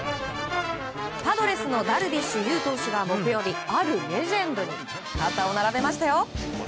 パドレスのダルビッシュ有投手が木曜日あるレジェンドに肩を並べましたよ。